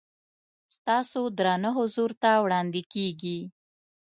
ستاسو درانه حضور ته وړاندې کېږي.